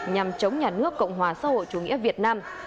nhằm chống nhà nước cộng hòa xã hội chủ nghĩa việt nam